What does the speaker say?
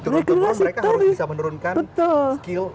renerasi itu betul